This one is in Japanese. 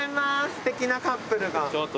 すてきなカップルが。